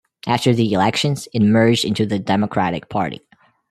After the elections, it merged into the Democratic Party.